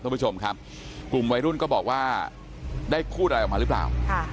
คุณผู้ชมครับกลุ่มวัยรุ่นก็บอกว่าได้พูดอะไรออกมาหรือเปล่า